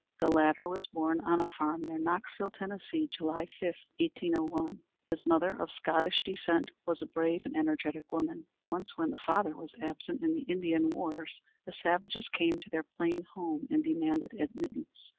The latter was born on a farm near Knoxville, Tennessee, July 5, 1801. His mother, of Scotch descent, was a brave and energetic woman. Once when the father was absent in the Indian wars, the savages came to their plain home and demanded admittance.